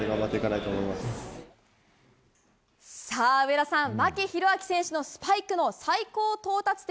上田さん、牧大晃選手のスパイクの最高到達点